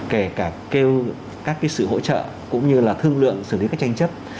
kể cả kêu các sự hỗ trợ cũng như là thương lượng xử lý các tranh chất